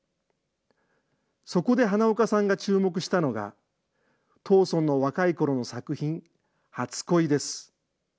そこで花岡さんが注目したのが、藤村の若いころの作品、初恋です。